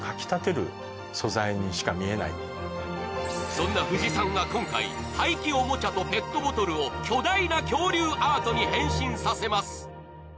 そんな藤さんが今回、廃棄おもちゃとペットボトルを巨大な恐竜アートに変身させます。